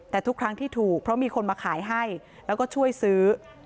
แต่ทุกครั้งที่ถูกเพราะมีคนมาขายให้แล้วก็ช่วยซื้อ